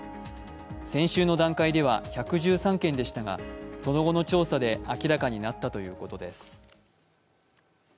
先週の段階では１１３件でしたがその後の調査で明らかになったということです。